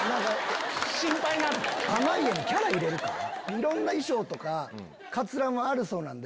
いろんな衣装とかカツラもあるそうなんで。